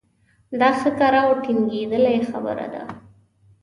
دا ښه کره او ټنګېدلې خبره ده.